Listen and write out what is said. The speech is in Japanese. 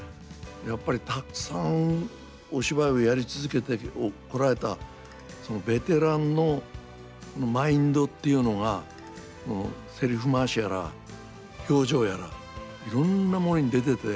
やっぱりたくさんお芝居をやり続けてこられたそのベテランのマインドっていうのがせりふ回しやら表情やらいろんなものに出てて。